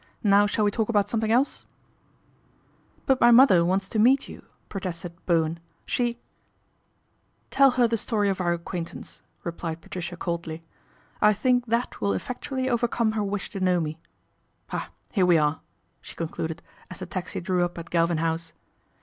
Now shall we talk about something else ?"" But my mother wants to meet you," pro tested Bowen. " She "" Tell her the story of our acquaintance," replied Patricia coldly " I think that will effec tually overcome her wish to know me. Ah ! here we are," she concluded as the taxi drew up at Galvin House.